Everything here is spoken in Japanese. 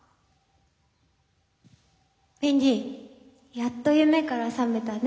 やっと夢から覚めたね。